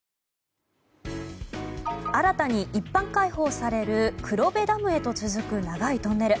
新たに一般開放される黒部ダムへと続く長いトンネル。